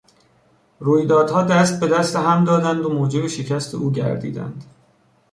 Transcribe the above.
رویدادها دست به دست هم دادند و موجب شکست او گردیدند.